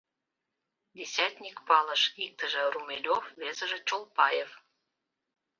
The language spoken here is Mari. Десятник палыш: иктыже — Румелёв, весыже — Чолпаев.